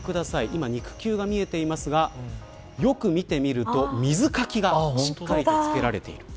今、肉球が見えていますがよく見てみると、水かきがしっかりつけられている。